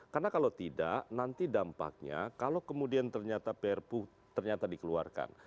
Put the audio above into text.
karena kalau tidak nanti dampaknya kalau kemudian ternyata prpu ternyata dikeluarkan